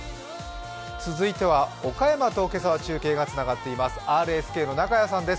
続いては岡山と今朝は中継がつながっています。